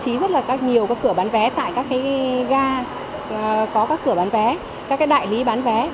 chúng tôi bố trí rất nhiều cửa bán vé tại các gà có các cửa bán vé các đại lý bán vé